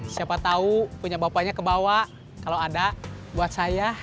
siapa tahu punya bapaknya kebawa kalau ada buat saya